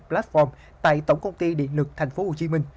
platform tại tổng công ty điện lực tp hcm